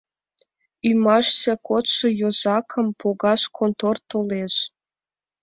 Ӱмашсе кодшо йозакым погаш кантор толеш.